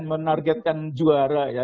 menargetkan juara ya